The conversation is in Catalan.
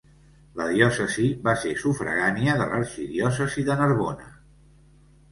La diòcesi va ser sufragània de l'arxidiòcesi de Narbona.